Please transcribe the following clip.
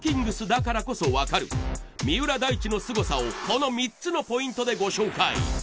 ｔｋｉｎｇｚだからこそわかる三浦大知のすごさをこの３つのポイントでご紹介。